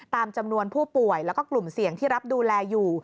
ตามจำนวนผู้ป่วยแล้วก็กลุ่มเสี่ยงที่รับดูแลอยู่